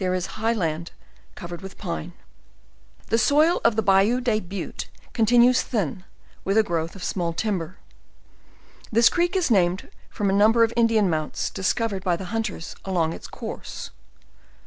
is a high land covered with pine. The soil of the "Bayou des Buttes," continues thin, with a growth of small timber. This creek is named from a num ber of Indian mounts discovered by the hunters along its course.